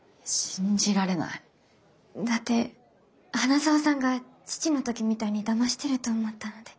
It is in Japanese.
だって花澤さんが父の時みたいにだましてると思ったので。